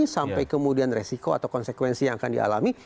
sampai kemudian resiko atau konsekuensi yang akan dia alami